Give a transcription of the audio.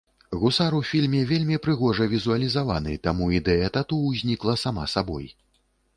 Гусар у фільме вельмі прыгожа візуалізаваны, таму ідэя тату ўзнікла сама сабой.